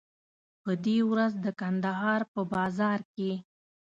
په دې ورځ د کندهار په بازار کې.